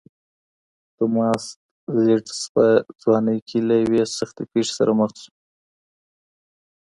توماس لېډز په ځوانۍ کې له یوې سختې پېښې سره مخ شو.